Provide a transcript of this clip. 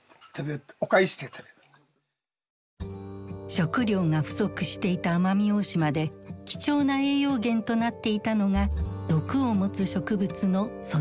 食糧が不足していた奄美大島で貴重な栄養源となっていたのが毒を持つ植物のソテツ。